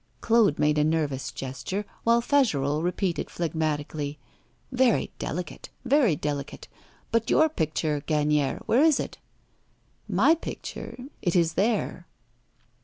Claude made a nervous gesture, while Fagerolles repeated phlegmatically: 'Very delicate, very delicate. But your picture, Gagnière, where is it?' 'My picture, it is there.